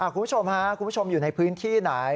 คุณผู้ชมค่ะคุณผู้ชมอยู่ในพื้นที่ไหน